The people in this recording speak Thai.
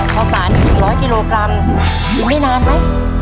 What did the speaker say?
ข้าวสารอีก๑๐๐กิโลกรัมกินได้นานไหม